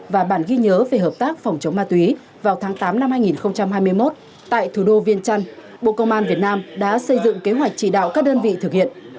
và bản ghi nhớ về hợp tác phòng chống ma túy vào tháng tám năm hai nghìn hai mươi một tại thủ đô viên trăn bộ công an việt nam đã xây dựng kế hoạch chỉ đạo các đơn vị thực hiện